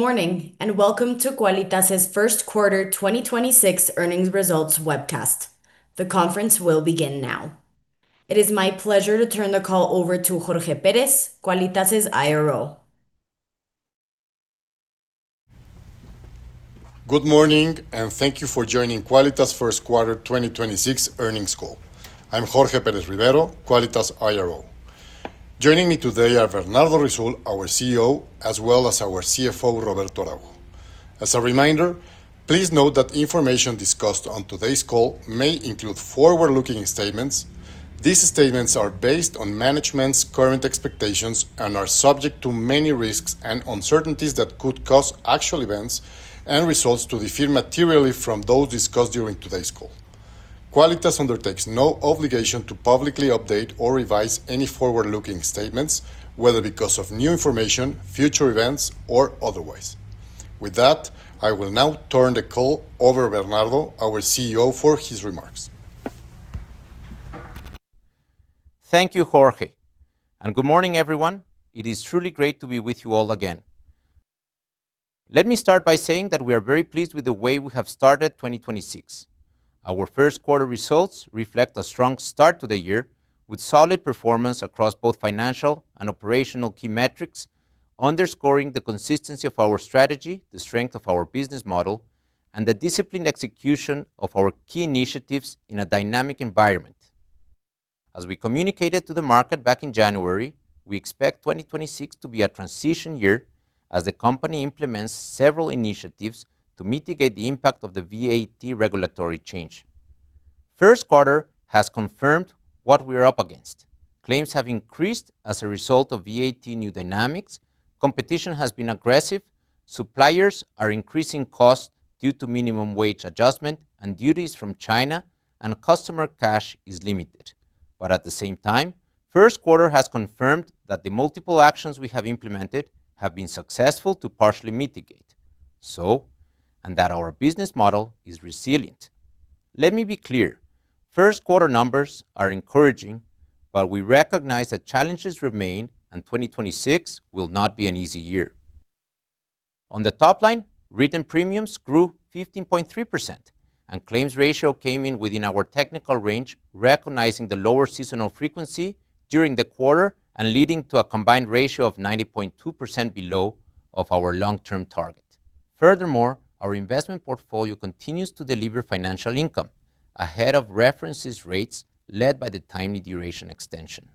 Good morning, and welcome to Quálitas' First Quarter 2026 Earnings Results Webcast. The conference will begin now. It is my pleasure to turn the call over to Jorge Pérez, Quálitas' IRO. Good morning, and thank you for joining Quálitas' first quarter 2026 earnings call. I'm Jorge Pérez Rivero, Quálitas IRO. Joining me today are Bernardo Risoul, our CEO, as well as our CFO, Roberto Araujo. As a reminder, please note that information discussed on today's call may include forward-looking statements. These statements are based on management's current expectations and are subject to many risks and uncertainties that could cause actual events and results to differ materially from those discussed during today's call. Quálitas undertakes no obligation to publicly update or revise any forward-looking statements, whether because of new information, future events, or otherwise. With that, I will now turn the call over to Bernardo, our CEO, for his remarks. Thank you, Jorge. Good morning, everyone. It is truly great to be with you all again. Let me start by saying that we are very pleased with the way we have started 2026. Our first quarter results reflect a strong start to the year with solid performance across both financial and operational key metrics, underscoring the consistency of our strategy, the strength of our business model, and the disciplined execution of our key initiatives in a dynamic environment. As we communicated to the market back in January, we expect 2026 to be a transition year as the company implements several initiatives to mitigate the impact of the VAT regulatory change. First quarter has confirmed what we're up against. Claims have increased as a result of VAT new dynamics, competition has been aggressive, suppliers are increasing cost due to minimum wage adjustment and duties from China, and customer cash is limited. At the same time, first quarter has confirmed that the multiple actions we have implemented have been successful to partially mitigate, so and that our business model is resilient. Let me be clear. First quarter numbers are encouraging, but we recognize that challenges remain, and 2026 will not be an easy year. On the top line, written premiums grew 15.3%, and claims ratio came in within our technical range, recognizing the lower seasonal frequency during the quarter and leading to a combined ratio of 90.2% below our long-term target. Furthermore, our investment portfolio continues to deliver financial income ahead of reference rates led by the timely duration extension.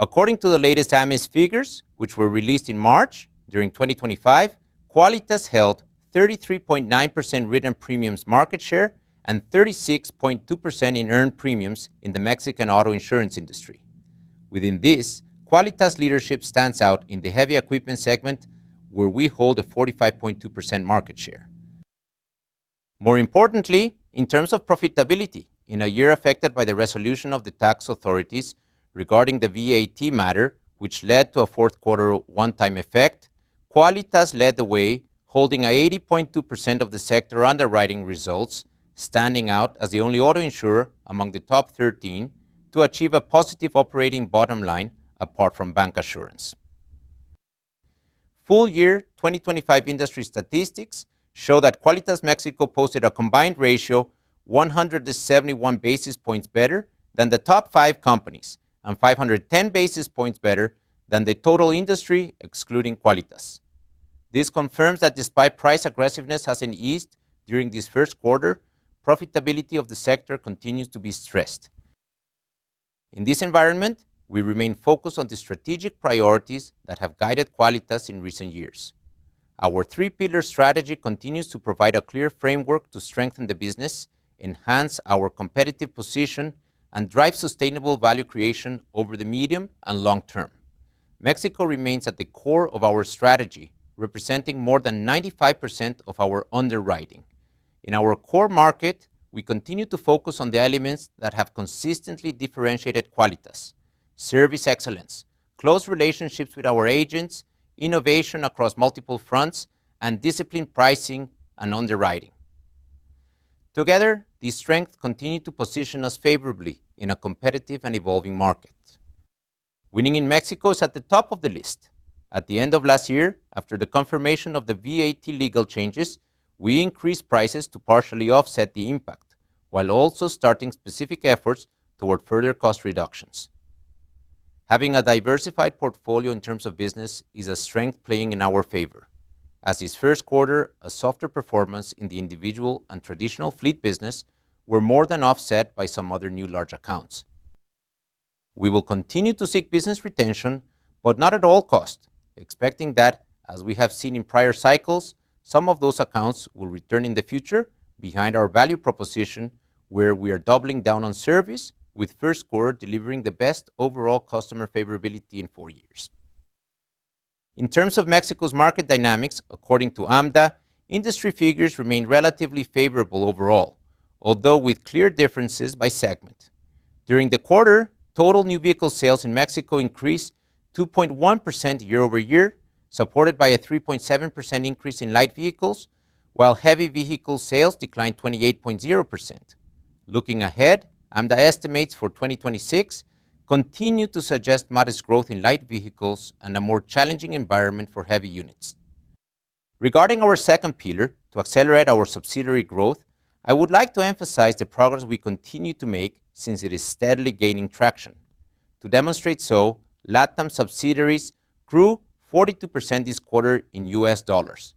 According to the latest AMIS figures, which were released in March, during 2025, Quálitas held 33.9% written premiums market share and 36.2% in earned premiums in the Mexican auto insurance industry. Within this, Quálitas leadership stands out in the heavy equipment segment, where we hold a 45.2% market share. More importantly, in terms of profitability, in a year affected by the resolution of the tax authorities regarding the VAT matter, which led to a fourth quarter one-time effect, Quálitas led the way, holding 80.2% of the sector underwriting results, standing out as the only auto insurer among the top 13 to achieve a positive operating bottom line apart from bancassurance. Full year 2025 industry statistics show that Quálitas México posted a combined ratio 171 basis points better than the top five companies and 510 basis points better than the total industry, excluding Quálitas. This confirms that despite price aggressiveness has been eased during this first quarter, profitability of the sector continues to be stressed. In this environment, we remain focused on the strategic priorities that have guided Quálitas in recent years. Our three-pillar strategy continues to provide a clear framework to strengthen the business, enhance our competitive position, and drive sustainable value creation over the medium and long term. Mexico remains at the core of our strategy, representing more than 95% of our underwriting. In our core market, we continue to focus on the elements that have consistently differentiated Quálitas, service excellence, close relationships with our agents, innovation across multiple fronts, and disciplined pricing and underwriting. Together, these strengths continue to position us favorably in a competitive and evolving market. Winning in Mexico is at the top of the list. At the end of last year, after the confirmation of the VAT legal changes, we increased prices to partially offset the impact, while also starting specific efforts toward further cost reductions. Having a diversified portfolio in terms of business is a strength playing in our favor. In this first quarter, a softer performance in the individual and traditional fleet business were more than offset by some other new large accounts. We will continue to seek business retention, but not at all cost, expecting that, as we have seen in prior cycles, some of those accounts will return in the future behind our value proposition, where we are doubling down on service with first quarter delivering the best overall customer favorability in four years. In terms of Mexico's market dynamics, according to AMDA, industry figures remain relatively favorable overall, although with clear differences by segment. During the quarter, total new vehicle sales in Mexico increased 2.1% YoY, supported by a 3.7% increase in light vehicles, while heavy vehicle sales declined 28.0%. Looking ahead, AMDA estimates for 2026 continue to suggest modest growth in light vehicles and a more challenging environment for heavy units. Regarding our second pillar, to accelerate our subsidiary growth, I would like to emphasize the progress we continue to make since it is steadily gaining traction. To demonstrate so, LatAm subsidiaries grew 42% this quarter in US dollars.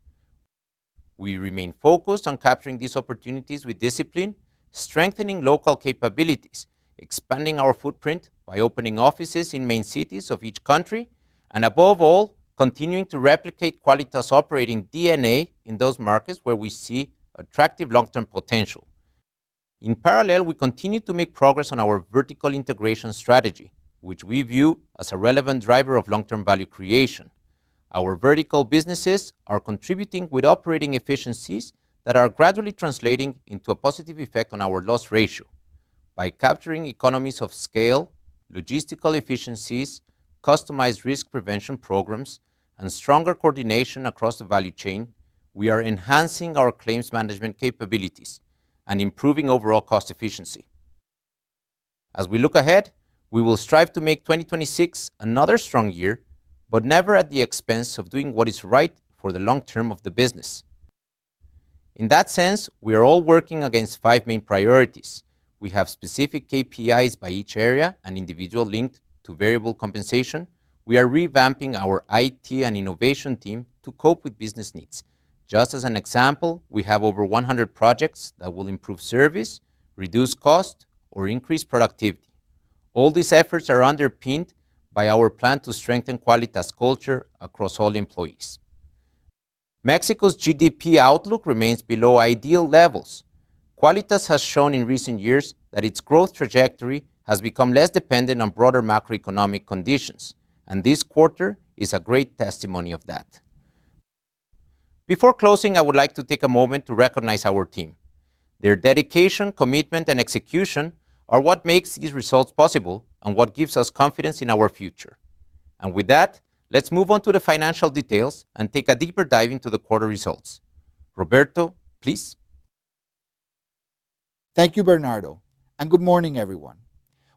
We remain focused on capturing these opportunities with discipline, strengthening local capabilities, expanding our footprint by opening offices in main cities of each country, and above all, continuing to replicate Quálitas' operating DNA in those markets where we see attractive long-term potential. In parallel, we continue to make progress on our vertical integration strategy, which we view as a relevant driver of long-term value creation. Our vertical businesses are contributing with operating efficiencies that are gradually translating into a positive effect on our loss ratio. By capturing economies of scale, logistical efficiencies, customized risk prevention programs, and stronger coordination across the value chain, we are enhancing our claims management capabilities and improving overall cost efficiency. As we look ahead, we will strive to make 2026 another strong year, but never at the expense of doing what is right for the long-term of the business. In that sense, we are all working against five main priorities. We have specific KPIs by each area and individual linked to variable compensation. We are revamping our IT and innovation team to cope with business needs. Just as an example, we have over 100 projects that will improve service, reduce cost, or increase productivity. All these efforts are underpinned by our plan to strengthen Quálitas' culture across all employees. Mexico's GDP outlook remains below ideal levels. Quálitas has shown in recent years that its growth trajectory has become less dependent on broader macroeconomic conditions, and this quarter is a great testimony of that. Before closing, I would like to take a moment to recognize our team. Their dedication, commitment, and execution are what makes these results possible and what gives us confidence in our future. With that, let's move on to the financial details and take a deeper dive into the quarter results. Roberto, please. Thank you, Bernardo, and good morning, everyone.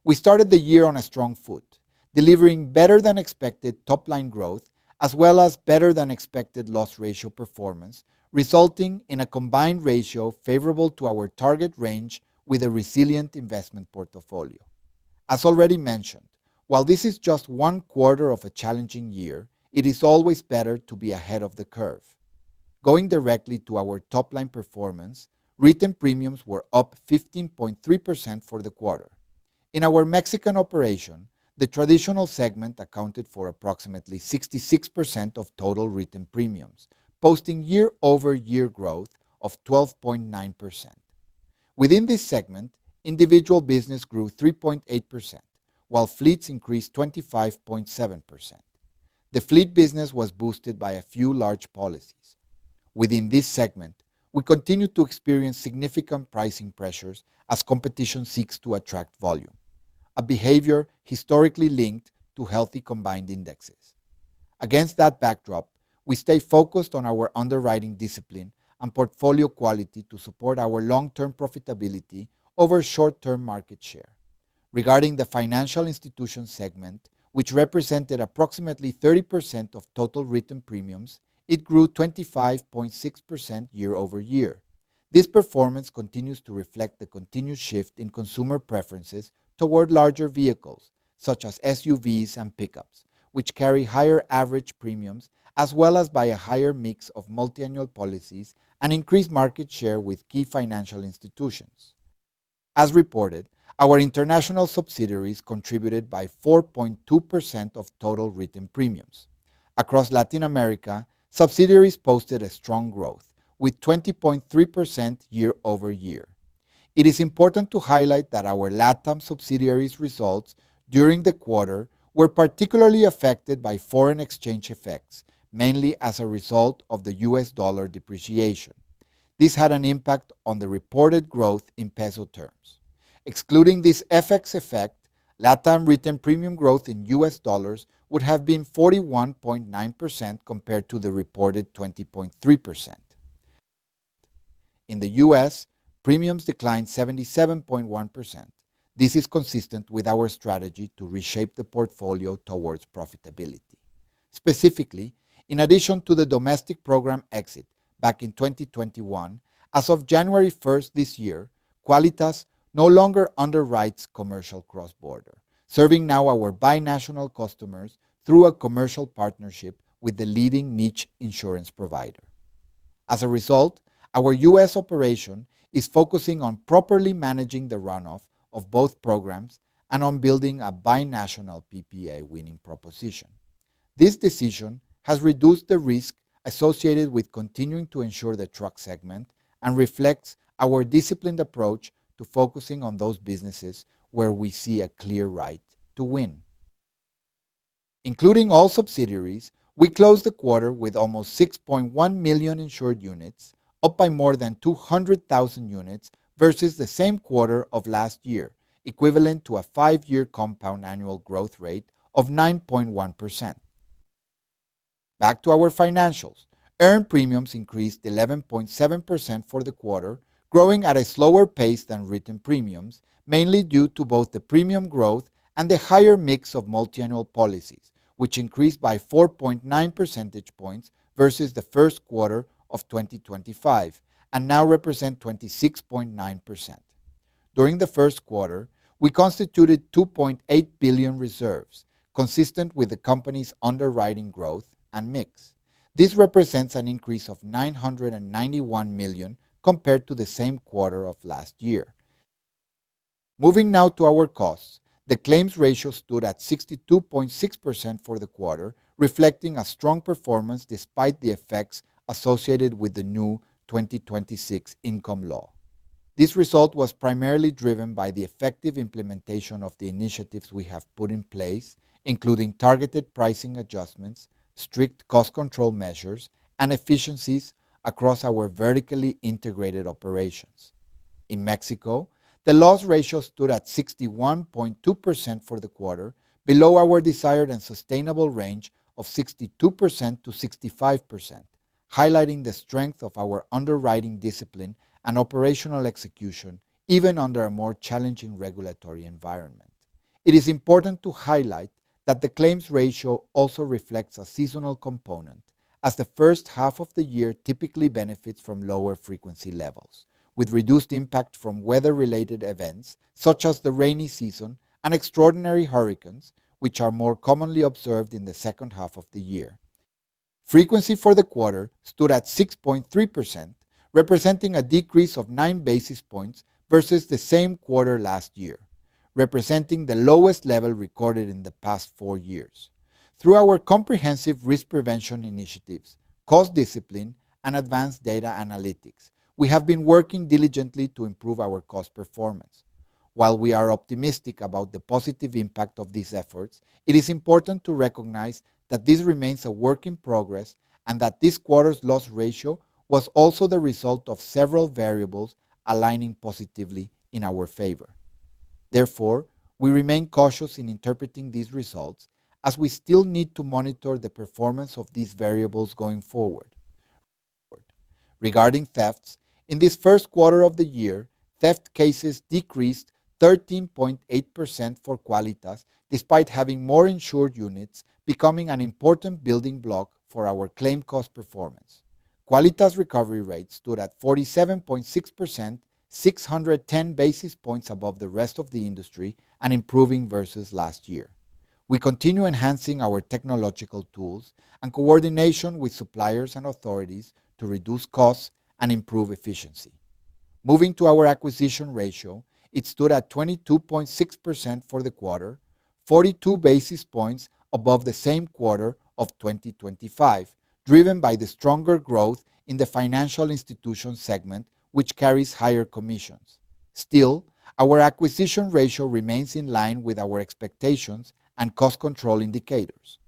We started the year on a strong foot, delivering better-than-expected top-line growth as well as better-than-expected loss ratio performance, resulting in a combined ratio favorable to our target range with a resilient investment portfolio. As already mentioned, while this is just one quarter of a challenging year, it is always better to be ahead of the curve. Going directly to our top-line performance, written premiums were up 15.3% for the quarter. In our Mexican operation, the traditional segment accounted for approximately 66% of total written premiums, posting YoY growth of 12.9%. Within this segment, individual business grew 3.8%, while fleets increased 25.7%. The fleet business was boosted by a few large policies. Within this segment, we continue to experience significant pricing pressures as competition seeks to attract volume, a behavior historically linked to healthy combined ratios. Against that backdrop, we stay focused on our underwriting discipline and portfolio quality to support our long-term profitability over short-term market share. Regarding the financial institution segment, which represented approximately 30% of total written premiums, it grew 25.6% YoY. This performance continues to reflect the continued shift in consumer preferences toward larger vehicles, such as SUVs and pickups, which carry higher average premiums as well as a higher mix of multi-annual policies and increased market share with key financial institutions. As reported, our international subsidiaries contributed 4.2% of total written premiums. Across Latin America, subsidiaries posted a strong growth of 20.3% YoY. It is important to highlight that our LatAm subsidiaries' results during the quarter were particularly affected by foreign exchange effects, mainly as a result of the U.S. dollar depreciation. This had an impact on the reported growth in peso terms. Excluding this FX effect, LatAm written premium growth in US dollars would have been 41.9% compared to the reported 20.3%. In the U.S., premiums declined 77.1%. This is consistent with our strategy to reshape the portfolio towards profitability. Specifically, in addition to the domestic program exit back in 2021, as of January 1st this year, Quálitas no longer underwrites commercial cross-border, serving now our binational customers through a commercial partnership with the leading niche insurance provider. As a result, our U.S. operation is focusing on properly managing the runoff of both programs and on building a binational PPA winning proposition. This decision has reduced the risk associated with continuing to insure the truck segment and reflects our disciplined approach to focusing on those businesses where we see a clear right to win. Including all subsidiaries, we closed the quarter with almost 6.1 million insured units, up by more than 200,000 units versus the same quarter of last year, equivalent to a five-year compound annual growth rate of 9.1%. Back to our financials. Earned premiums increased 11.7% for the quarter, growing at a slower pace than written premiums, mainly due to both the premium growth and the higher mix of multi-annual policies, which increased by 4.9 percentage points versus the first quarter of 2025 and now represent 26.9%. During the first quarter, we constituted 2.8 billion reserves, consistent with the company's underwriting growth and mix. This represents an increase of 991 million compared to the same quarter of last year. Moving now to our costs. The claims ratio stood at 62.6% for the quarter, reflecting a strong performance despite the effects associated with the new 2026 Federal Revenue Law. This result was primarily driven by the effective implementation of the initiatives we have put in place, including targeted pricing adjustments, strict cost control measures, and efficiencies across our vertically integrated operations. In Mexico, the loss ratio stood at 61.2% for the quarter, below our desired and sustainable range of 62%-65%, highlighting the strength of our underwriting discipline and operational execution, even under a more challenging regulatory environment. It is important to highlight that the claims ratio also reflects a seasonal component, as the first half of the year typically benefits from lower frequency levels, with reduced impact from weather-related events such as the rainy season and extraordinary hurricanes, which are more commonly observed in the second half of the year. Frequency for the quarter stood at 6.3%, representing a decrease of nine basis points versus the same quarter last year, representing the lowest level recorded in the past four years. Through our comprehensive risk prevention initiatives, cost discipline, and advanced data analytics, we have been working diligently to improve our cost performance. While we are optimistic about the positive impact of these efforts, it is important to recognize that this remains a work in progress and that this quarter's loss ratio was also the result of several variables aligning positively in our favor. Therefore, we remain cautious in interpreting these results as we still need to monitor the performance of these variables going forward. Regarding thefts, in this first quarter of the year, theft cases decreased 13.8% for Quálitas despite having more insured units becoming an important building block for our claim cost performance. Quálitas recovery rate stood at 47.6%, 610 basis points above the rest of the industry and improving versus last year. We continue enhancing our technological tools and coordination with suppliers and authorities to reduce costs and improve efficiency. Moving to our acquisition ratio, it stood at 22.6% for the quarter, 42 basis points above the same quarter of 2025, driven by the stronger growth in the financial institution segment, which carries higher commissions. Still, our acquisition ratio remains in line with our expectations and cost control indicators.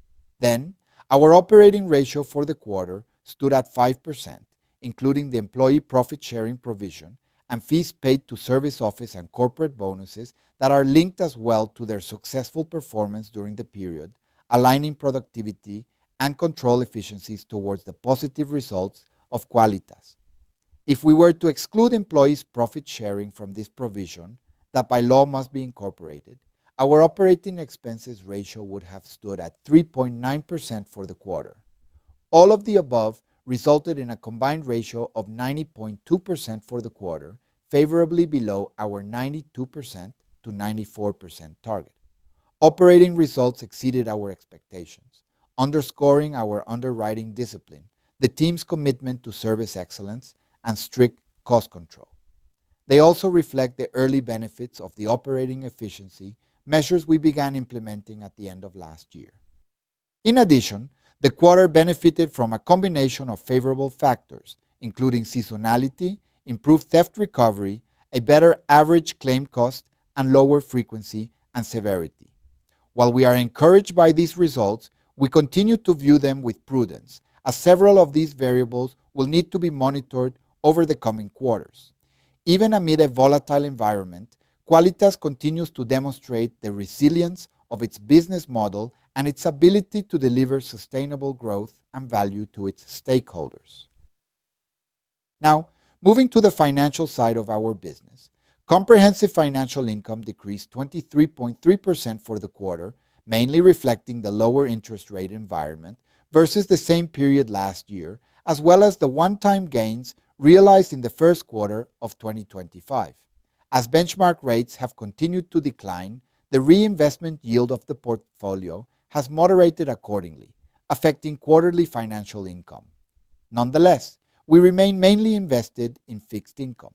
Our operating ratio for the quarter stood at 5%, including the employee profit-sharing provision and fees paid to service office and corporate bonuses that are linked as well to their successful performance during the period, aligning productivity and control efficiencies towards the positive results of Quálitas. If we were to exclude employees' profit sharing from this provision, that by law must be incorporated, our operating expenses ratio would have stood at 3.9% for the quarter. All of the above resulted in a combined ratio of 90.2% for the quarter, favorably below our 92%-94% target. Operating results exceeded our expectations, underscoring our underwriting discipline, the team's commitment to service excellence, and strict cost control. They also reflect the early benefits of the operating efficiency measures we began implementing at the end of last year. In addition, the quarter benefited from a combination of favorable factors, including seasonality, improved theft recovery, a better average claim cost, and lower frequency and severity. While we are encouraged by these results, we continue to view them with prudence, as several of these variables will need to be monitored over the coming quarters. Even amid a volatile environment, Quálitas continues to demonstrate the resilience of its business model and its ability to deliver sustainable growth and value to its stakeholders. Now, moving to the financial side of our business. Comprehensive financial income decreased 23.3% for the quarter, mainly reflecting the lower interest rate environment versus the same period last year, as well as the one-time gains realized in the first quarter of 2025. As benchmark rates have continued to decline, the reinvestment yield of the portfolio has moderated accordingly, affecting quarterly financial income. Nonetheless, we remain mainly invested in fixed income,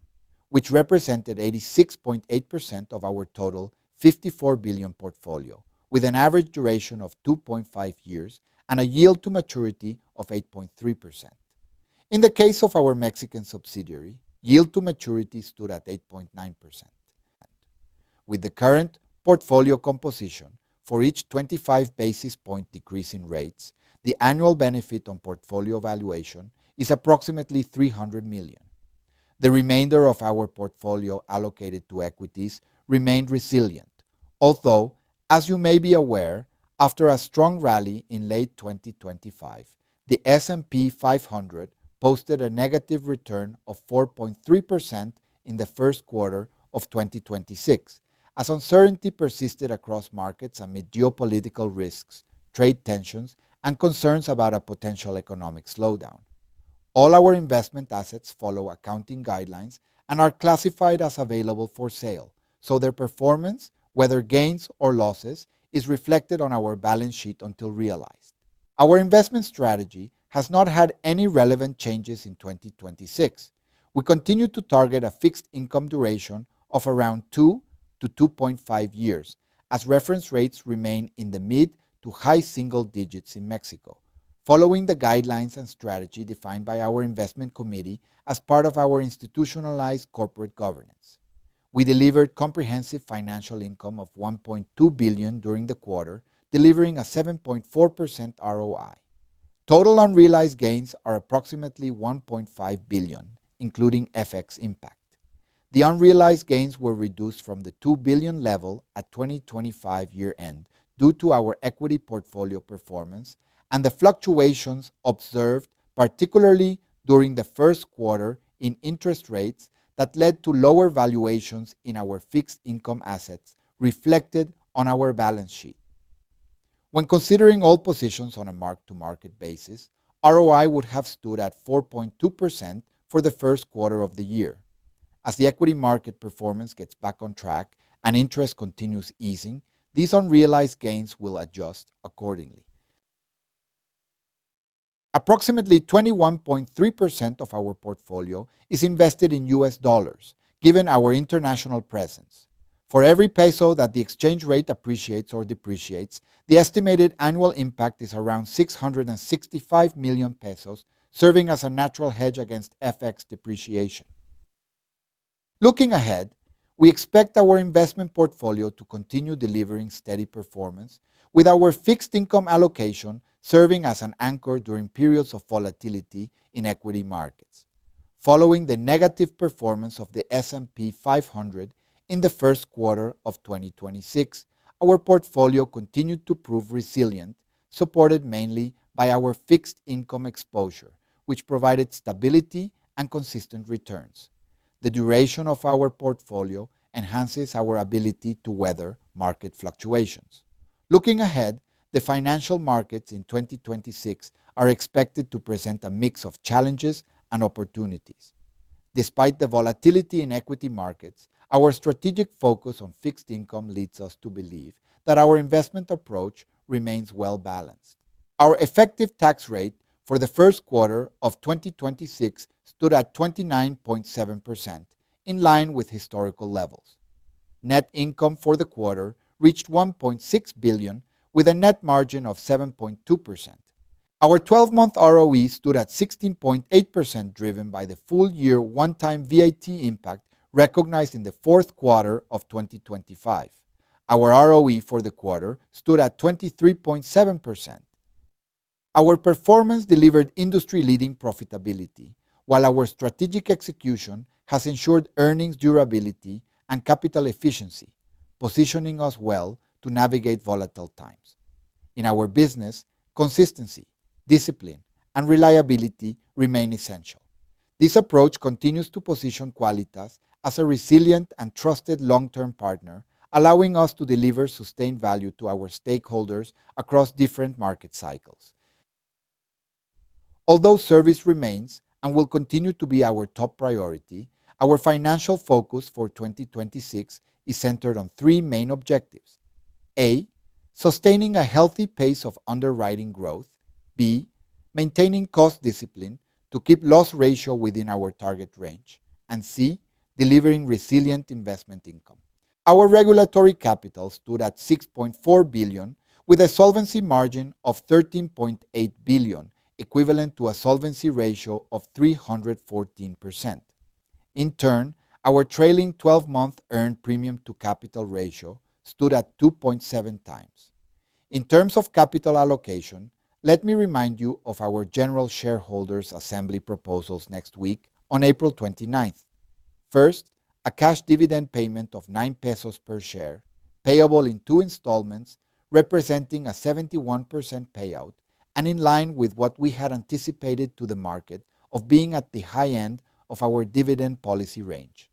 which represented 86.8% of our total 54 billion portfolio, with an average duration of 2.5 years and a yield to maturity of 8.3%. In the case of our Mexican subsidiary, yield to maturity stood at 8.9%. With the current portfolio composition, for each 25 basis points decrease in rates, the annual benefit on portfolio valuation is approximately 300 million. The remainder of our portfolio allocated to equities remained resilient. Although, as you may be aware, after a strong rally in late 2025, the S&P 500 posted a negative return of 4.3% in the first quarter of 2026 as uncertainty persisted across markets amid geopolitical risks, trade tensions, and concerns about a potential economic slowdown. All our investment assets follow accounting guidelines and are classified as available for sale, so their performance, whether gains or losses, is reflected on our balance sheet until realized. Our investment strategy has not had any relevant changes in 2026. We continue to target a fixed income duration of around 2-2.5 years as reference rates remain in the mid to high single digits in Mexico. Following the guidelines and strategy defined by our investment committee as part of our institutionalized corporate governance, we delivered comprehensive financial income of 1.2 billion during the quarter, delivering a 7.4% ROI. Total unrealized gains are approximately 1.5 billion, including FX impact. The unrealized gains were reduced from the 2 billion level at 2025 year-end due to our equity portfolio performance and the fluctuations observed, particularly during the first quarter in interest rates that led to lower valuations in our fixed income assets reflected on our balance sheet. When considering all positions on a mark-to-market basis, ROI would have stood at 4.2% for the first quarter of the year. As the equity market performance gets back on track and interest continues easing, these unrealized gains will adjust accordingly. Approximately 21.3% of our portfolio is invested in U.S. dollars, given our international presence. For every peso that the exchange rate appreciates or depreciates, the estimated annual impact is around 665 million pesos, serving as a natural hedge against FX depreciation. Looking ahead, we expect our investment portfolio to continue delivering steady performance with our fixed income allocation serving as an anchor during periods of volatility in equity markets. Following the negative performance of the S&P 500 in the first quarter of 2026, our portfolio continued to prove resilient, supported mainly by our fixed income exposure, which provided stability and consistent returns. The duration of our portfolio enhances our ability to weather market fluctuations. Looking ahead, the financial markets in 2026 are expected to present a mix of challenges and opportunities. Despite the volatility in equity markets, our strategic focus on fixed income leads us to believe that our investment approach remains well-balanced. Our effective tax rate for the first quarter of 2026 stood at 29.7%, in line with historical levels. Net income for the quarter reached 1.6 billion with a net margin of 7.2%. Our 12-month ROE stood at 16.8%, driven by the full year one-time VAT impact recognized in the fourth quarter of 2025. Our ROE for the quarter stood at 23.7%. Our performance delivered industry-leading profitability, while our strategic execution has ensured earnings durability and capital efficiency, positioning us well to navigate volatile times. In our business, consistency, discipline, and reliability remain essential. This approach continues to position Quálitas as a resilient and trusted long-term partner, allowing us to deliver sustained value to our stakeholders across different market cycles. Although service remains and will continue to be our top priority, our financial focus for 2026 is centered on three main objectives. A, sustaining a healthy pace of underwriting growth. B, maintaining cost discipline to keep loss ratio within our target range. C, delivering resilient investment income. Our regulatory capital stood at 6.4 billion with a solvency margin of 13.8 billion, equivalent to a solvency ratio of 314%. In turn, our trailing 12-month earned premium to capital ratio stood at 2.7x. In terms of capital allocation, let me remind you of our general shareholders' assembly proposals next week on April 29th. First, a cash dividend payment of 9 pesos per share, payable in two installments, representing a 71% payout and in line with what we had anticipated to the market of being at the high end of our dividend policy range.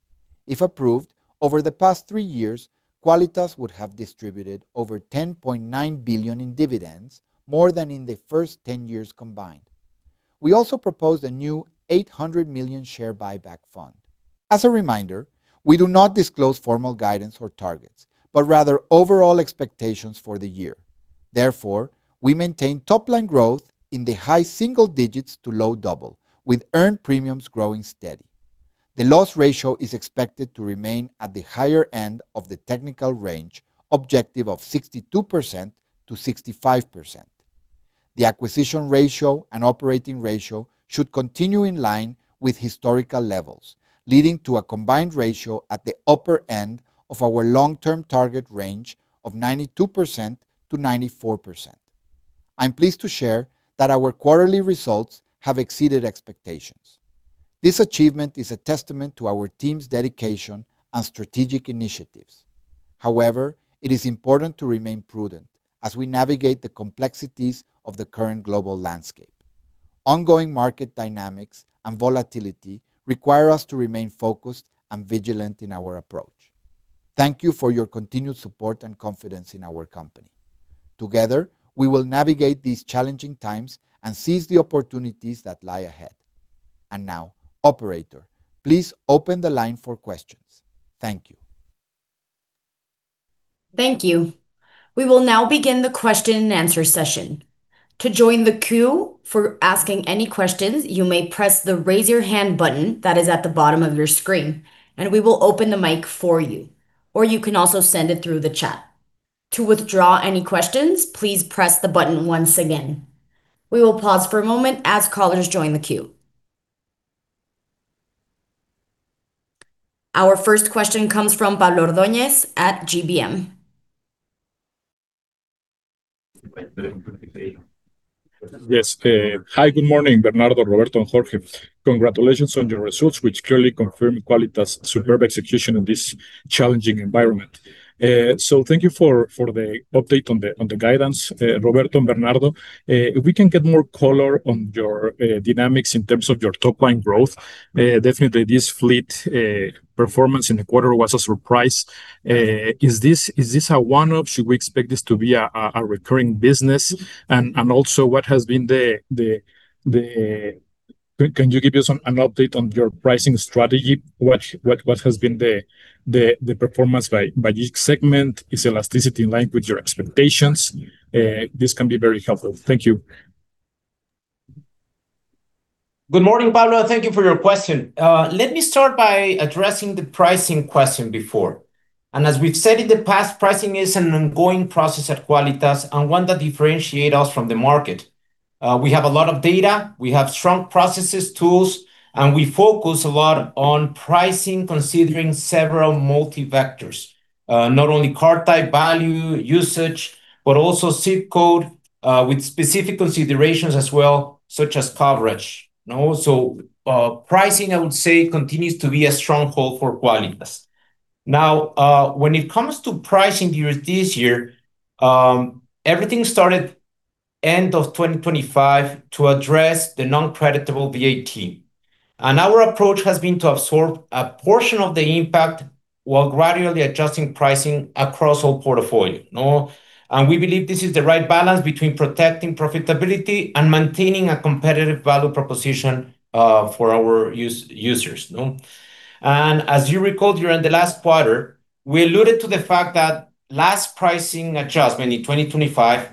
If approved, over the past three years, Quálitas would have distributed over 10.9 billion in dividends, more than in the first 10 years combined. We also proposed a new 800 million share buyback fund. As a reminder, we do not disclose formal guidance or targets, but rather overall expectations for the year. Therefore, we maintain top-line growth in the high single digits to low double, with earned premiums growing steady. The loss ratio is expected to remain at the higher end of the technical range objective of 62%-65%. The acquisition ratio and operating ratio should continue in line with historical levels, leading to a combined ratio at the upper end of our long-term target range of 92%-94%. I'm pleased to share that our quarterly results have exceeded expectations. This achievement is a testament to our team's dedication and strategic initiatives. However, it is important to remain prudent as we navigate the complexities of the current global landscape. Ongoing market dynamics and volatility require us to remain focused and vigilant in our approach. Thank you for your continued support and confidence in our company. Together, we will navigate these challenging times and seize the opportunities that lie ahead. Now, operator, please open the line for questions. Thank you. Thank you. We will now begin the question and answer session. To join the queue for asking any questions, you may press the Raise Your Hand button that is at the bottom of your screen, and we will open the mic for you. Or you can also send it through the chat. To withdraw any questions, please press the button once again. We will pause for a moment as callers join the queue. Our first question comes from Pablo Ordóñez at GBM. Yes. Hi, good morning, Bernardo, Roberto, and Jorge. Congratulations on your results, which clearly confirm Quálitas' superb execution in this challenging environment. Thank you for the update on the guidance. Roberto and Bernardo, if we can get more color on your dynamics in terms of your top-line growth. Definitely this fleet performance in the quarter was a surprise. Is this a one-off? Should we expect this to be a recurring business? And also, can you give us an update on your pricing strategy? What has been the performance by each segment? Is elasticity in line with your expectations? This can be very helpful. Thank you. Good morning, Pablo. Thank you for your question. Let me start by addressing the pricing question before. As we've said in the past, pricing is an ongoing process at Quálitas and one that differentiates us from the market. We have a lot of data, we have strong processes, tools, and we focus a lot on pricing, considering several multi-vectors. Not only car type, value, usage, but also ZIP code, with specific considerations as well, such as coverage. Pricing, I would say, continues to be a stronghold for Quálitas. Now, when it comes to pricing during this year, everything started end of 2025 to address the non-creditable VAT. Our approach has been to absorb a portion of the impact while gradually adjusting pricing across all portfolio. We believe this is the right balance between protecting profitability and maintaining a competitive value proposition for our users. As you recall, during the last quarter, we alluded to the fact that last pricing adjustment in 2025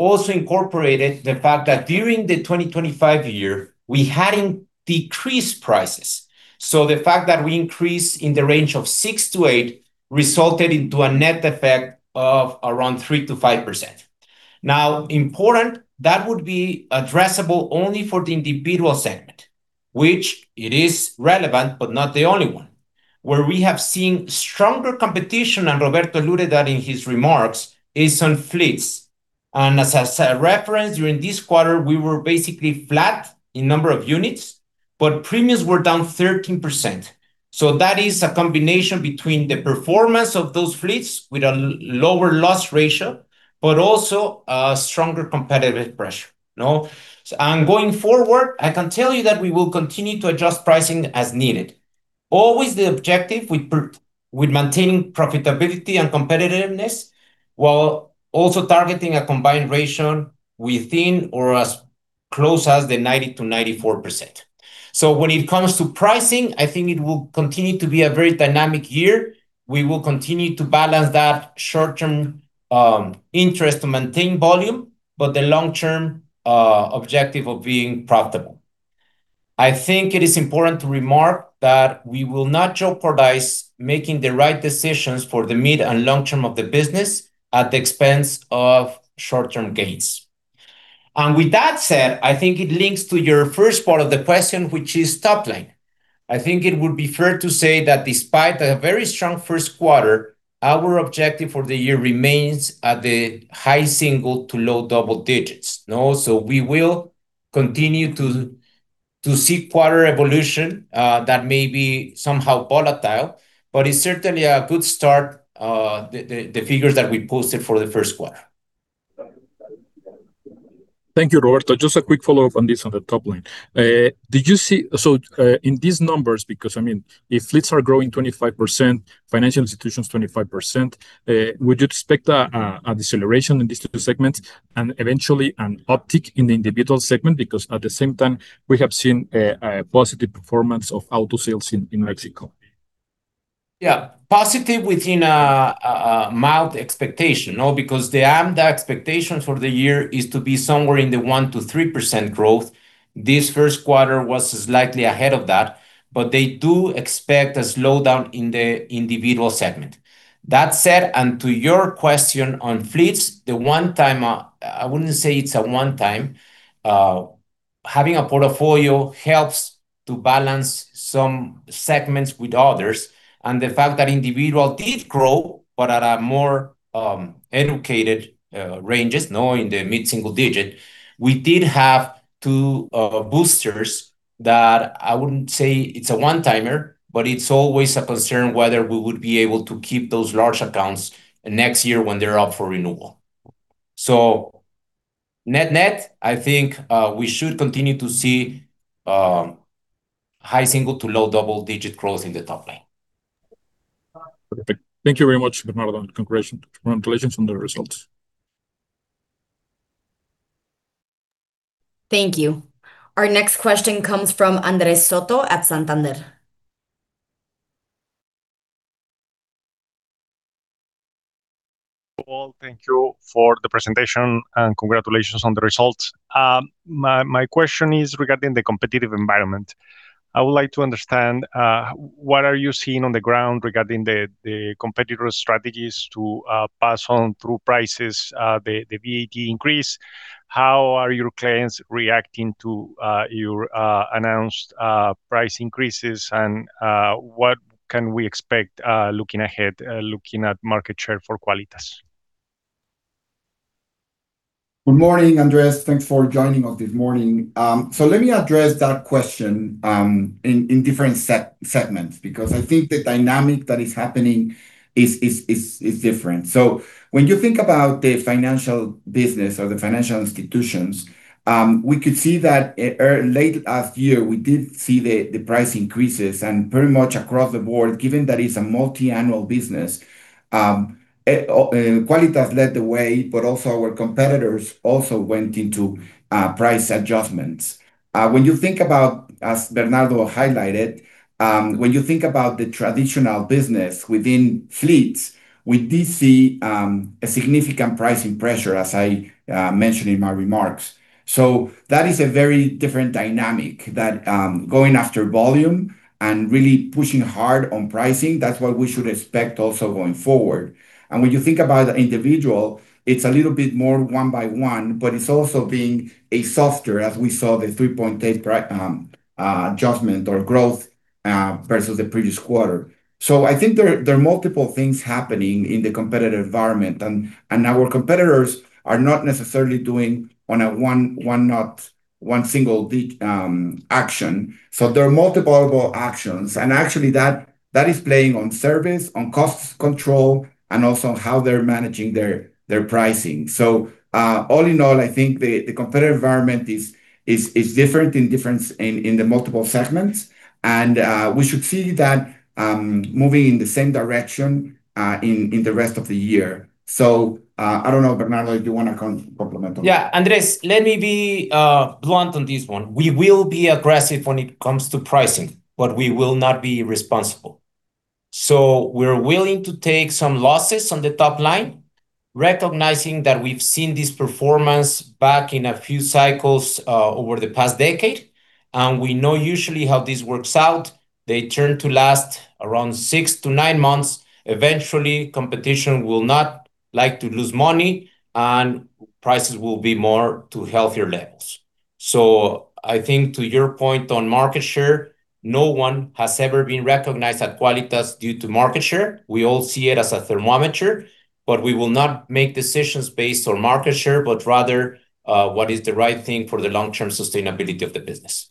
also incorporated the fact that during the 2025 year, we hadn't decreased prices. The fact that we increased in the range of 6%-8% resulted into a net effect of around 3%-5%. Now important, that would be addressable only for the individual segment, which it is relevant, but not the only one. Where we have seen stronger competition, and Roberto alluded that in his remarks, is on fleets. As I referenced, during this quarter, we were basically flat in number of units, but premiums were down 13%. That is a combination between the performance of those fleets with a lower loss ratio, but also a stronger competitive pressure. Going forward, I can tell you that we will continue to adjust pricing as needed. Always the objective with maintaining profitability and competitiveness, while also targeting a combined ratio within or as close as the 90%-94%. When it comes to pricing, I think it will continue to be a very dynamic year. We will continue to balance that short-term interest to maintain volume, but the long-term objective of being profitable. I think it is important to remark that we will not jeopardize making the right decisions for the mid and long term of the business at the expense of short-term gains. With that said, I think it links to your first part of the question, which is top line. I think it would be fair to say that despite a very strong first quarter, our objective for the year remains at the high single- to low double digits. We will continue to seek quarterly evolution that may be somehow volatile, but it's certainly a good start, the figures that we posted for the first quarter. Thank you, Bernardo. Just a quick follow-up on this, on the top line. In these numbers, because if fleets are growing 25%, financial institutions 25%, would you expect a deceleration in these two segments and eventually an uptick in the individual segment? Because at the same time, we have seen a positive performance of auto sales in Mexico. Yeah. Positive within a mild expectation. The AMDA expectation for the year is to be somewhere in the 1%-3% growth. This first quarter was slightly ahead of that, but they do expect a slowdown in the individual segment. That said, and to your question on fleets, I wouldn't say it's a one-time. Having a portfolio helps to balance some segments with others, and the fact that individual did grow, but at a more moderate range, now in the mid-single digits, we did have two boosters that I wouldn't say it's a one-timer, but it's always a concern whether we would be able to keep those large accounts next year when they're up for renewal. Net-net, I think we should continue to see high single- to low double-digit growth in the top line. Perfect. Thank you very much, Bernardo, and congratulations on the results. Thank you. Our next question comes from Andrés Soto at Santander. Well, thank you for the presentation, and congratulations on the results. My question is regarding the competitive environment. I would like to understand, what are you seeing on the ground regarding the competitive strategies to pass on through prices the VAT increase? How are your clients reacting to your announced price increases, and what can we expect looking ahead, looking at market share for Quálitas? Good morning, Andrés. Thanks for joining us this morning. Let me address that question in different segments, because I think the dynamic that is happening is different. When you think about the financial business or the financial institutions, we could see that late last year we did see the price increases and pretty much across the board, given that it's a multi-annual business. Quálitas led the way, but also our competitors also went into price adjustments. When you think about, as Bernardo highlighted, when you think about the traditional business within fleets, we did see a significant pricing pressure, as I mentioned in my remarks. That is a very different dynamic, that going after volume and really pushing hard on pricing, that's what we should expect also going forward. When you think about the individual, it's a little bit more one by one, but it's also being softer, as we saw the 3.8% adjustment or growth versus the previous quarter. I think there are multiple things happening in the competitive environment, and our competitors are not necessarily doing one single indeed action. There are multiple actions, and actually that is playing on service, on costs control, and also how they're managing their pricing. All in all, I think the competitive environment is different in the multiple segments, and we should see that moving in the same direction in the rest of the year. I don't know, Bernardo, if you want to comment on that. Yeah, Andrés, let me be blunt on this one. We will be aggressive when it comes to pricing, but we will not be irresponsible. We're willing to take some losses on the top line, recognizing that we've seen this performance back in a few cycles over the past decade, and we know usually how this works out. They tend to last around six-nine months. Eventually, competition will not like to lose money, and prices will move to healthier levels. I think to your point on market share, no one has ever been recognized at Quálitas due to market share. We all see it as a thermometer, but we will not make decisions based on market share, but rather what is the right thing for the long-term sustainability of the business.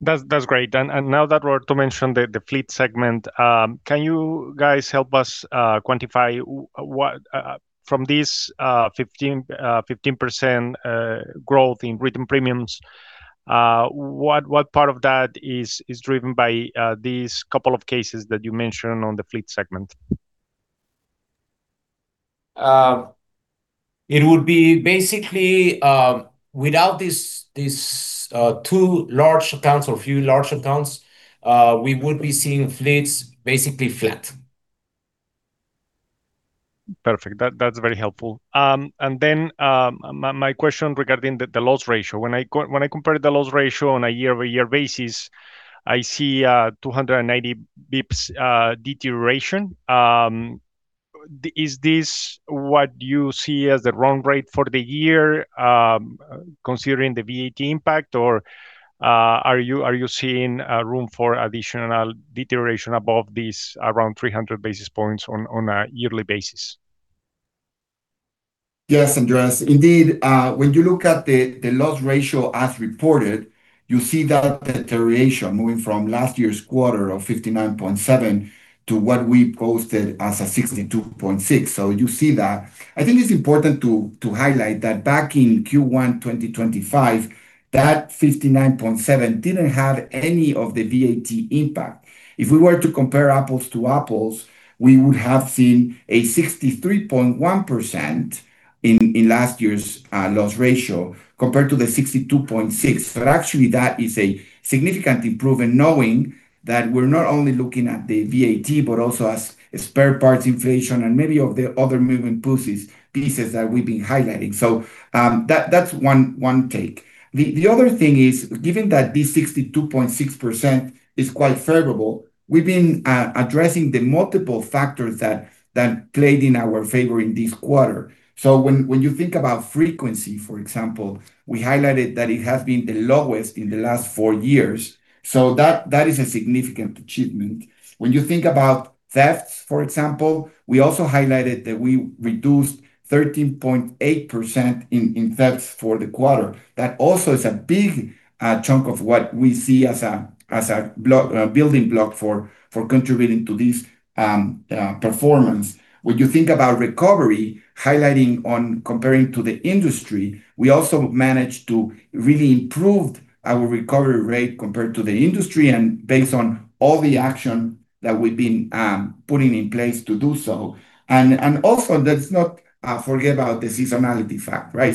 That's great. Now that Roberto mentioned the fleet segment, can you guys help us quantify from this 15% growth in written premiums, what part of that is driven by these couple of cases that you mentioned on the fleet segment? It would be basically without these two large accounts or few large accounts, we would be seeing fleets basically flat. Perfect. That's very helpful. My question regarding the loss ratio. When I compare the loss ratio on a YoY basis, I see a 290 basis points deterioration. Is this what you see as the run rate for the year, considering the VAT impact? Or are you seeing room for additional deterioration above these around 300 basis points on a yearly basis? Yes, Andrés. Indeed, when you look at the loss ratio as reported, you see that deterioration moving from last year's quarter of 59.7% to what we posted as a 62.6%. You see that. I think it's important to highlight that back in Q1 2025, that 59.7% didn't have any of the VAT impact. If we were to compare apples to apples, we would have seen a 63.1% in last year's loss ratio compared to the 62.6%. Actually that is a significant improvement, knowing that we're not only looking at the VAT, but also as spare parts inflation and many of the other moving pieces that we've been highlighting. That's one take. The other thing is, given that this 62.6% is quite favorable, we've been addressing the multiple factors that played in our favor in this quarter. When you think about frequency, for example, we highlighted that it has been the lowest in the last four years, so that is a significant achievement. When you think about thefts, for example, we also highlighted that we reduced 13.8% in thefts for the quarter. That also is a big chunk of what we see as a building block for contributing to this performance. When you think about recovery, highlighting on comparing to the industry, we also managed to really improve our recovery rate compared to the industry, and based on all the action that we've been putting in place to do so. Also, let's not forget about the seasonality factor, right?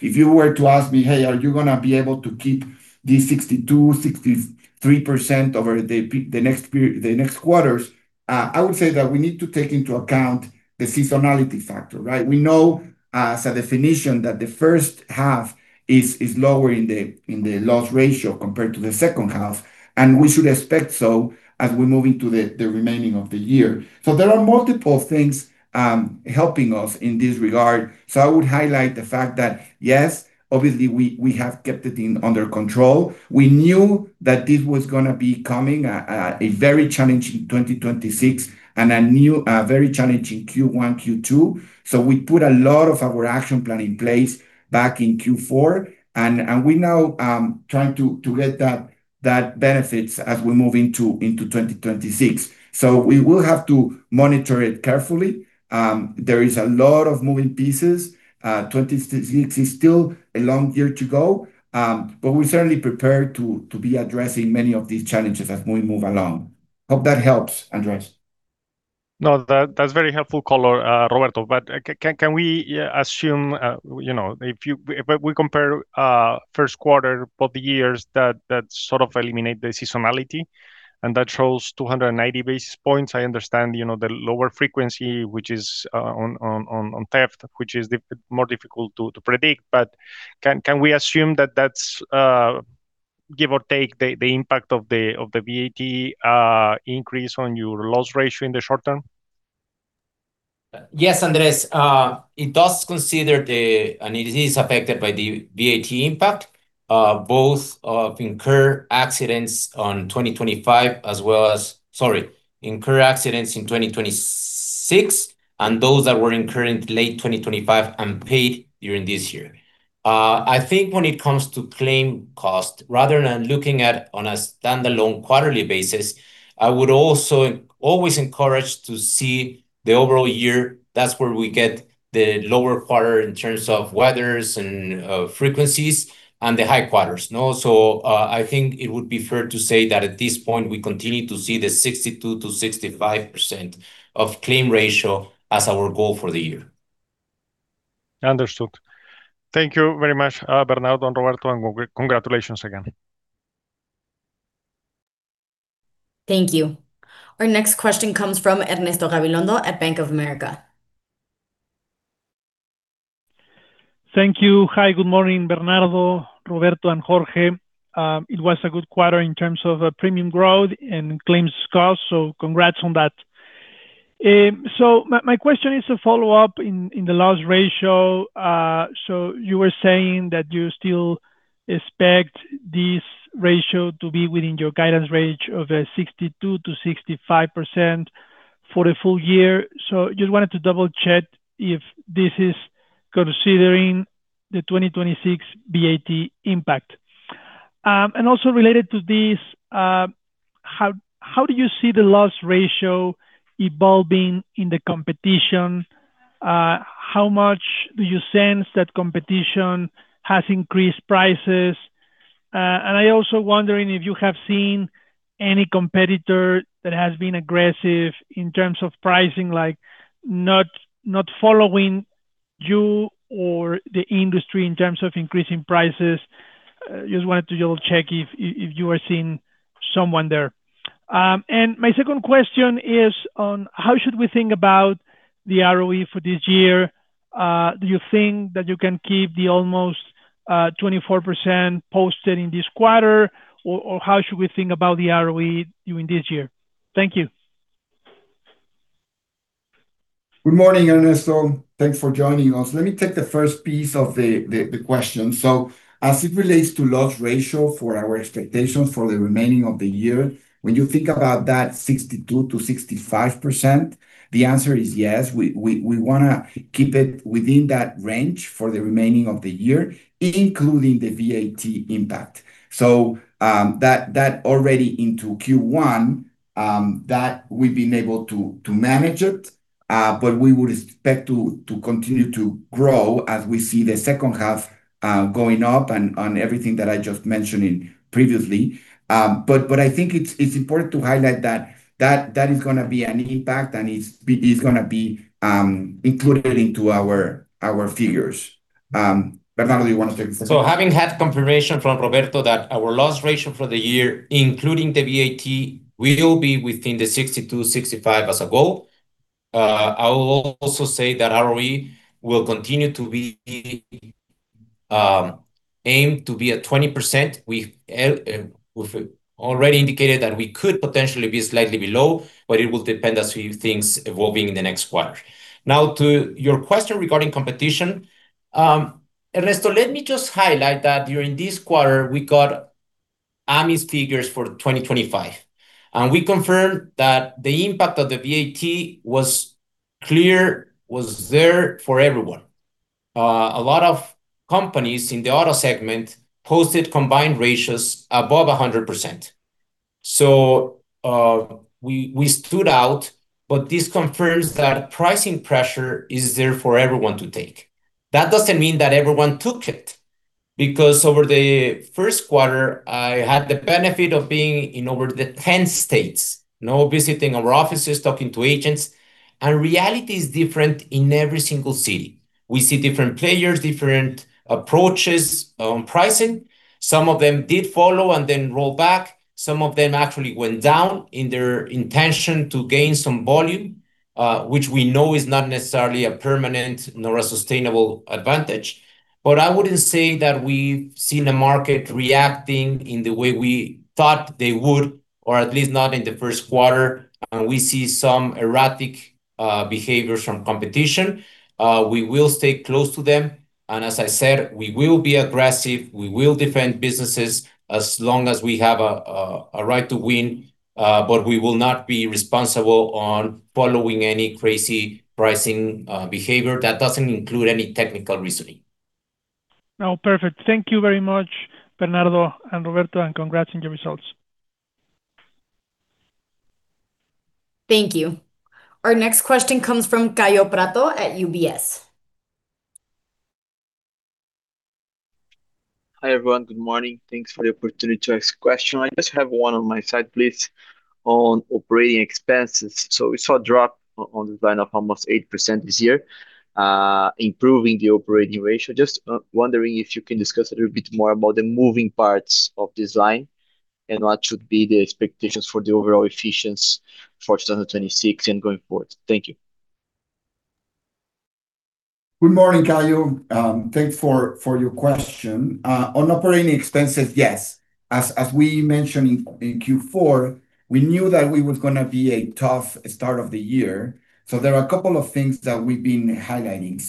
If you were to ask me, "Hey, are you going to be able to keep this 62, 63% over the next quarters?" I would say that we need to take into account the seasonality factor, right? We know as a definition that the first half is lower in the loss ratio compared to the second half, and we should expect so as we move into the remaining of the year. There are multiple things helping us in this regard. I would highlight the fact that, yes, obviously, we have kept it under control. We knew that this was going to be coming, a very challenging 2026 and a very challenging Q1, Q2, so we put a lot of our action plan in place back in Q4. We're now trying to get that benefits as we move into 2026. We will have to monitor it carefully. There is a lot of moving pieces. 2026 is still a long year to go, but we're certainly prepared to be addressing many of these challenges as we move along. Hope that helps, Andrés. No, that's very helpful color, Roberto. Can we assume, if we compare first quarter of the years, that sort of eliminate the seasonality, and that shows 290 basis points. I understand, the lower frequency, which is on theft, which is more difficult to predict. Can we assume that that's, give or take, the impact of the VAT increase on your loss ratio in the short term? Yes, Andrés, it does consider and it is affected by the VAT impact, both of incurred accidents in 2026 and those that were incurred late 2025 and paid during this year. I think when it comes to claim cost, rather than looking at on a standalone quarterly basis, I would always encourage to see the overall year. That's where we get the lower quarter in terms of weather and frequencies and the high quarters, no? I think it would be fair to say that at this point, we continue to see the 62%-65% claims ratio as our goal for the year. Understood. Thank you very much, Bernardo and Roberto, and congratulations again. Thank you. Our next question comes from Ernesto Gabilondo at Bank of America. Thank you. Hi, good morning, Bernardo, Roberto, and Jorge. It was a good quarter in terms of premium growth and claims cost, so congrats on that. My question is a follow-up on the loss ratio. You were saying that you still expect this ratio to be within your guidance range of 62%-65% for the full year, so just wanted to double-check if this is considering the 2026 VAT impact. Also related to this, how do you see the loss ratio evolving in the competition? How much do you sense that competition has increased prices? I'm also wondering if you have seen any competitor that has been aggressive in terms of pricing, like not following you or the industry in terms of increasing prices. Just wanted to double-check if you are seeing someone there. My second question is on how should we think about the ROE for this year? Do you think that you can keep the almost 24% posted in this quarter, or how should we think about the ROE during this year? Thank you. Good morning, Ernesto. Thanks for joining us. Let me take the first piece of the question. As it relates to loss ratio for our expectations for the remaining of the year, when you think about that 62%-65%, the answer is yes, we want to keep it within that range for the remaining of the year, including the VAT impact. That already into Q1, that we've been able to manage it, but we would expect to continue to grow as we see the second half going up on everything that I just mentioned previously. I think it's important to highlight that that is going to be an impact and it's going to be included into our figures. Bernardo, you want to take the second? Having had confirmation from Roberto that our loss ratio for the year, including the VAT, will be within the 62%-65% as a goal, I will also say that ROE will continue to be aimed to be at 20%. We've already indicated that we could potentially be slightly below, but it will depend as to things evolving in the next quarter. Now, to your question regarding competition, Ernesto, let me just highlight that during this quarter, we got AM Best figures for 2025, and we confirmed that the impact of the VAT was clear, was there for everyone. A lot of companies in the auto segment posted combined ratios above 100%. We stood out, but this confirms that pricing pressure is there for everyone to take. That doesn't mean that everyone took it, because over the first quarter, I had the benefit of being in over 10 states, visiting our offices, talking to agents. Reality is different in every single city. We see different players, different approaches on pricing. Some of them did follow and then roll back. Some of them actually went down in their intention to gain some volume, which we know is not necessarily a permanent nor a sustainable advantage. I wouldn't say that we've seen the market reacting in the way we thought they would, or at least not in the first quarter, and we see some erratic behaviors from competition. We will stay close to them, and as I said, we will be aggressive. We will defend businesses as long as we have a right to win, but we will not be responsible on following any crazy pricing behavior that doesn't include any technical reasoning. No, perfect. Thank you very much, Bernardo and Roberto, and congrats on your results. Thank you. Our next question comes from Kaio Prato at UBS. Hi, everyone. Good morning. Thanks for the opportunity to ask a question. I just have one on my side, please, on operating expenses. We saw a drop on the line of almost 8% this year, improving the operating ratio. Just wondering if you can discuss a little bit more about the moving parts of this line and what should be the expectations for the overall efficiency for 2026 and going forward. Thank you. Good morning, Kaio. Thanks for your question. On operating expenses, yes. As we mentioned in Q4, we knew that it was going to be a tough start of the year, so there are a couple of things that we've been highlighting.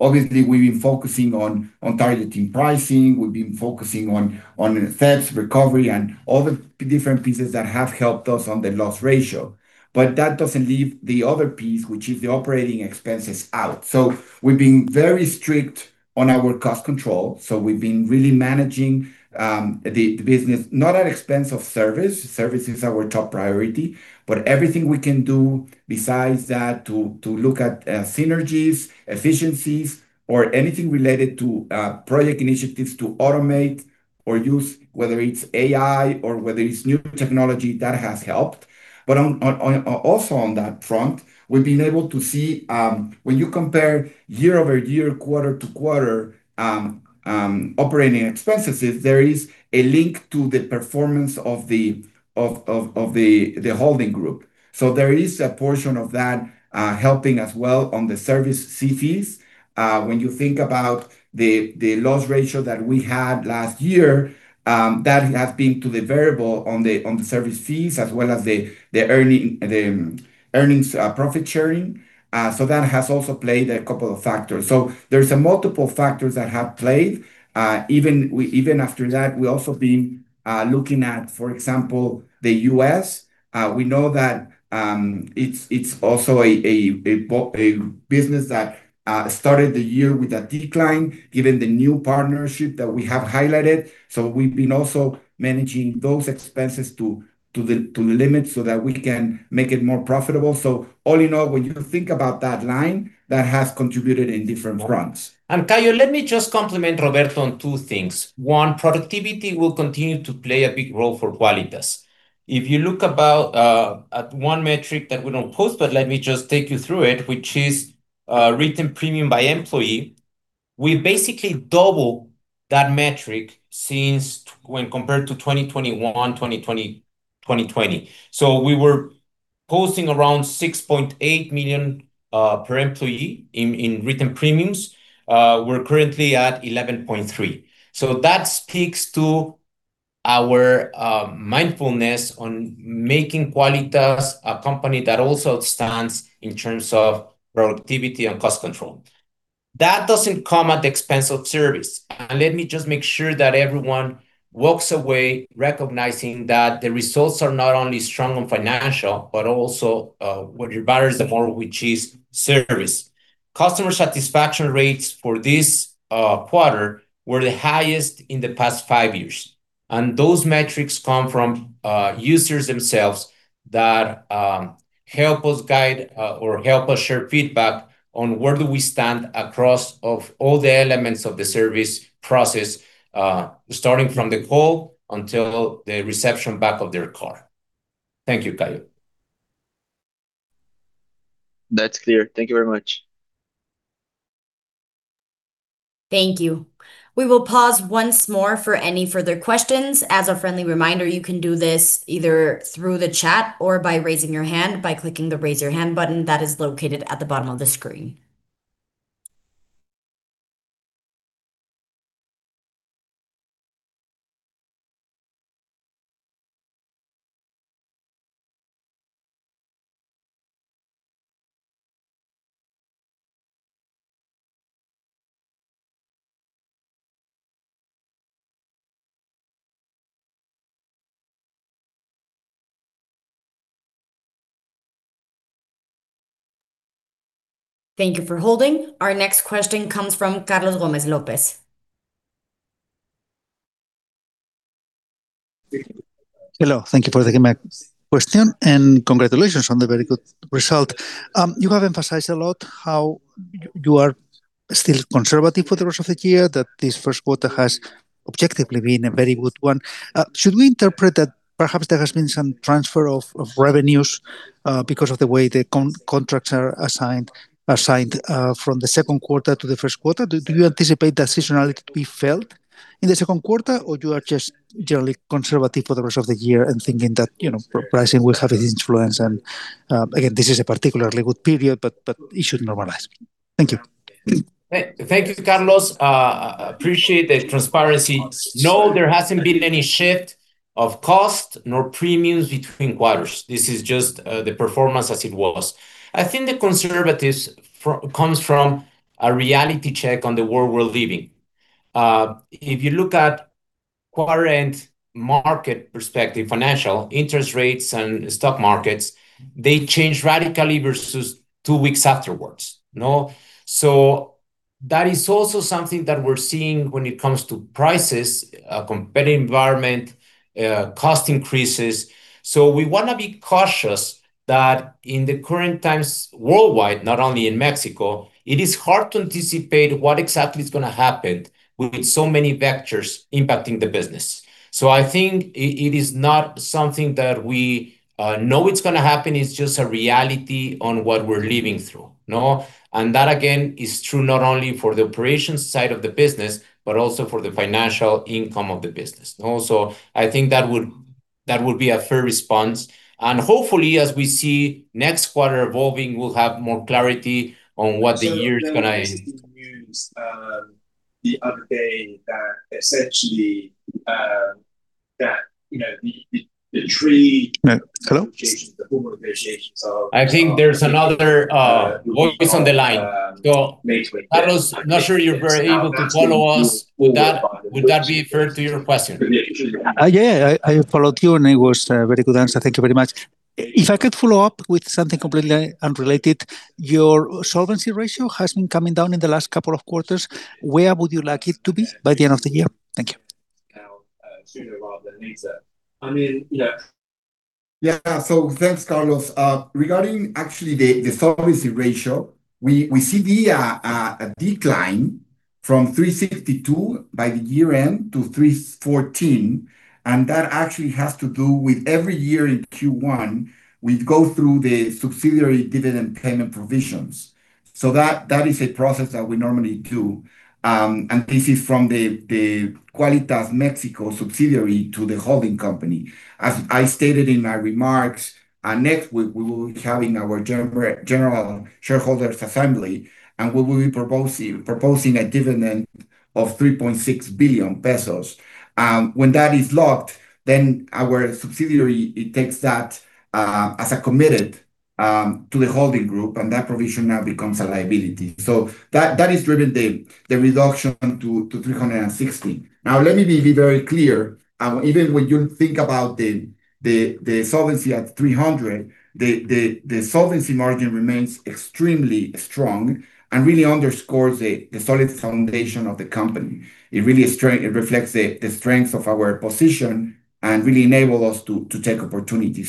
Obviously, we've been focusing on targeting pricing. We've been focusing on the Fed's recovery and all the different pieces that have helped us on the loss ratio. That doesn't leave the other piece, which is the operating expenses out. We've been very strict on our cost control. We've been really managing the business, not at the expense of service. Service is our top priority. Everything we can do besides that to look at synergies, efficiencies, or anything related to project initiatives to automate or use, whether it's AI or whether it's new technology, that has helped. Also on that front, we've been able to see when you compare YoY, quarter-to-quarter operating expenses, there is a link to the performance of the holding group. There is a portion of that helping as well on the service fees. When you think about the loss ratio that we had last year, that has been the variable on the service fees as well as the employee profit-sharing. That has also played a couple of factors. There's multiple factors that have played. Even after that, we've also been looking at, for example, the U.S. We know that it's also a business that started the year with a decline given the new partnership that we have highlighted. We've been also managing those expenses to the limit so that we can make it more profitable. All in all, when you think about that line, that has contributed in different fronts. Kaio, let me just compliment Roberto on two things. One, productivity will continue to play a big role for Quálitas. If you look at one metric that we don't post, but let me just take you through it, which is written premium by employee, we basically doubled that metric when compared to 2020. We were posting around 6.8 million per employee in written premiums. We're currently at 11.3 million. That speaks to our mindfulness on making Quálitas a company that also stands in terms of productivity and cost control. That doesn't come at the expense of service. Let me just make sure that everyone walks away recognizing that the results are not only strong on financials, but also what matters most, which is service. Customer satisfaction rates for this quarter were the highest in the past five years. Those metrics come from users themselves that help us guide or help us share feedback on where do we stand across of all the elements of the service process, starting from the call until the reception back of their car. Thank you, Kaio. That's clear. Thank you very much. Thank you. We will pause once more for any further questions. As a friendly reminder, you can do this either through the chat or by raising your hand by clicking the Raise Your Hand button that is located at the bottom of the screen. Thank you for holding. Our next question comes from Carlos Gomez-Lopez. Hello. Thank you for taking my question, and congratulations on the very good result. You have emphasized a lot how you are still conservative for the rest of the year, that this first quarter has objectively been a very good one. Should we interpret that perhaps there has been some transfer of revenues because of the way the contracts are assigned from the second quarter to the first quarter? Do you anticipate that seasonality to be felt in the second quarter, or you are just generally conservative for the rest of the year and thinking that pricing will have an influence and, again, this is a particularly good period, but it should normalize? Thank you. Thank you, Carlos. Appreciate the transparency. No, there hasn't been any shift of cost nor premiums between quarters. This is just the performance as it was. I think the conservatism comes from a reality check on the world we're living. If you look at current market perspective, financial, interest rates, and stock markets, they change radically versus two weeks ago, no? That is also something that we're seeing when it comes to prices, competitive environment, cost increases. We want to be cautious that in the current times worldwide, not only in Mexico, it is hard to anticipate what exactly is going to happen with so many vectors impacting the business. I think it is not something that we know it's going to happen, it's just a reality of what we're living through, no? That, again, is true not only for the operations side of the business, but also for the financial income of the business. I think that would be a fair response. Hopefully, as we see next quarter evolving, we'll have more clarity on what the year is going to. There was news the other day that essentially the three negotiations, the former negotiations of- I think there's another voice on the line. Carlos, not sure you're very able to follow us. Would that be fair to rephrase it? Yeah. I followed you, and it was a very good answer. Thank you very much. If I could follow up with something completely unrelated, your solvency ratio has been coming down in the last couple of quarters. Where would you like it to be by the end of the year? Thank you. Sooner rather than later. I mean, yeah. Yeah. Thanks, Carlos. Regarding actually the solvency ratio, we see a decline from 362% by the year-end to 314%, and that actually has to do with every year in Q1, we go through the subsidiary dividend payment provisions. That is a process that we normally do. This is from the Quálitas México subsidiary to the holding company. As I stated in my remarks, next week, we will be having our general shareholders' assembly, and we will be proposing a dividend of 3.6 billion pesos. When that is locked, then our subsidiary, it takes that as a commitment to the holding group, and that provision now becomes a liability. That has driven the reduction to 360%. Now let me be very clear. Even when you think about the solvency at 300%, the solvency margin remains extremely strong and really underscores the solid foundation of the company. It really reflects the strength of our position and really enable us to take opportunity.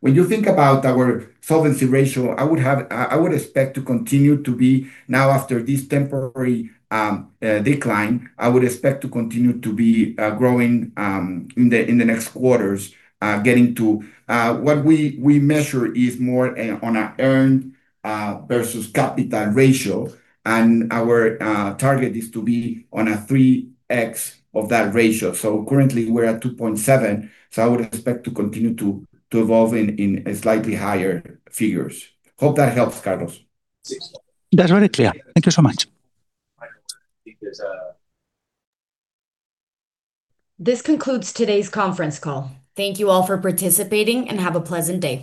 When you think about our solvency ratio, I would expect to continue to be now after this temporary decline, I would expect to continue to be growing in the next quarters, getting to what we measure is more on a earned versus capital ratio, and our target is to be on a 3x of that ratio. Currently, we're at 2.7, so I would expect to continue to evolve in slightly higher figures. Hope that helps, Carlos. That's very clear. Thank you so much. This concludes today's conference call. Thank you all for participating, and have a pleasant day.